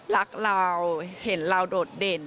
รักเราเห็นเราโดดเด่น